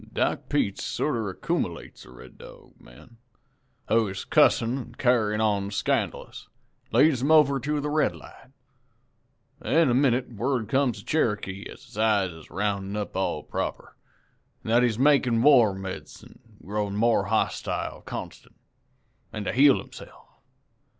"Doc Peets sorter accoomilates the Red Dog man, who is cussin' an' carryin' on scandalous, an' leads him over to the Red Light. In a minute word comes to Cherokee as his eyes is roundin' up all proper, an' that he's makin' war medicine an' is growin' more hostile constant, an' to heel himse'f.